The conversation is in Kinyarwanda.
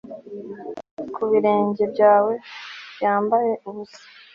kubirenge byawe byambaye ubusa